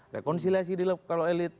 dekonsiliasi di lokal elit